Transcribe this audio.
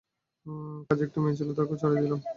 কাজের একটা মেয়ে ছিল তাকেও ছাড়িয়ে দিলাম।